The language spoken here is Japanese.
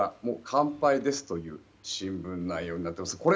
完敗ですという新聞内容になっています。